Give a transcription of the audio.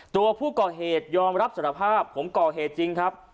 ตัวผู้ก่อเหตุยอมรับสารภาพผมก่อเหตุจริงครับ